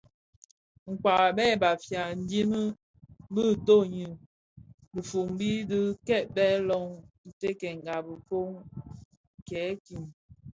Kpag a bheg Bafia mbiň bè toňi dhifombi di kibèè löň itèfèna kifög kèèkin,